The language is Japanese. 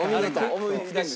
思い出した？